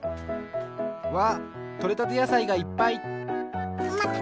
わあっとれたてやさいがいっぱい！とまと！